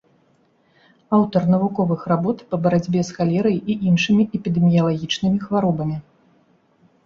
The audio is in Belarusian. Аўтар навуковых работ па барацьбе з халерай і іншымі эпідэміялагічнымі хваробамі.